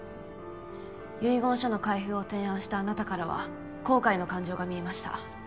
遺言書の開封を提案したあなたからは「後悔」の感情が見えました。